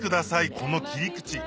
この切り口